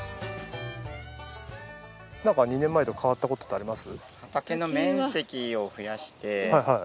なんか２年前と変わったことってあります？